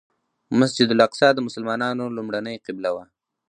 مسجد الاقصی د مسلمانانو لومړنۍ قبله وه.